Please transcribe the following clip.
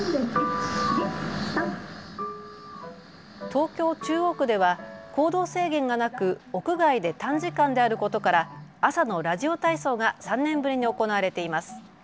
東京中央区では行動制限がなく屋外で短時間であることから朝のラジオ体操が３年ぶりに行われています。